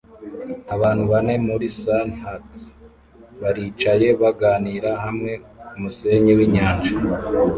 Abantu bane muri sunhats baricaye baganira hamwe kumusenyi winyanja